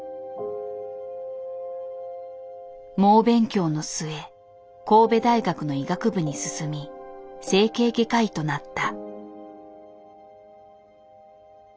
猛勉強の末神戸大学の医学部に進み整形外科医となった。